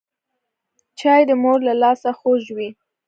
چای د مور له لاسه خوږ وي